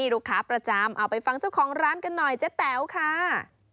ลูกค้าประจำเอาไปฟังเจ้าของร้านกันหน่อยเจ๊แต๋วค่ะ